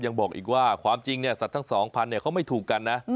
ยังบอกอีกว่าความจริงเนี่ยสัตว์ทั้ง๒๐๐เขาไม่ถูกกันนะ